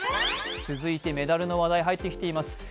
続いてメダルの話題、入ってきています。